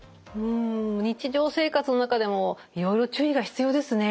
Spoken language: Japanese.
日常生活の中でもいろいろ注意が必要ですね。